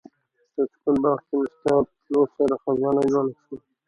د سکون باغ کې مې ستا تلو سره خزان جوړ شو